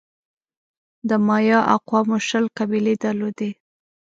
د مایا اقوامو شل قبیلې درلودې.